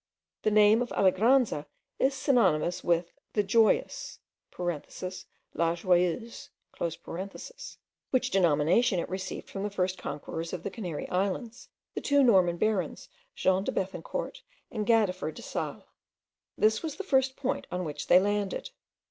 The name of Alegranza is synonymous with the Joyous, (La Joyeuse,) which denomination it received from the first conquerors of the Canary Islands, the two Norman barons, Jean de Bethencourt and Gadifer de Salle. This was the first point on which they landed.